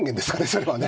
それはね。